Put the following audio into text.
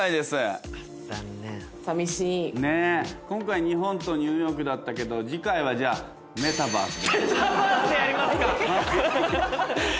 今回、日本とニューヨークだったけど、次回はじゃあ、メタバースで。